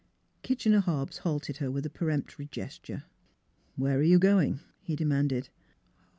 Kitchener Hobbs halted her with a peremptory gesture. ' Where are you going?" he demanded.